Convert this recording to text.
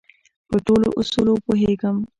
په ټولو اصولو پوهېږم.